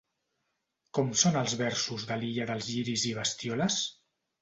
Com són els versos de l'Illa dels lliris i Bestioles?